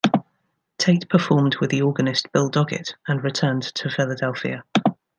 Tate performed with the organist Bill Doggett and returned to Philadelphia.